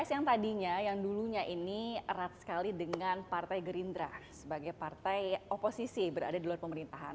pks yang tadinya yang dulunya ini erat sekali dengan partai gerindra sebagai partai oposisi berada di luar pemerintahan